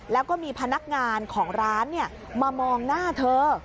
แล้วก็มีพนักงานของร้านมามองหน้าเธอ